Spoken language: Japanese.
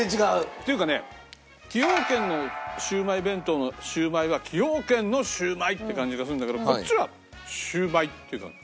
っていうかね崎陽軒のシウマイ弁当のシウマイは崎陽軒のシウマイっていう感じがするんだけどこっちはシウマイっていうか。